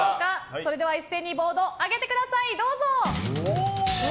それでは一斉にボードを上げてください！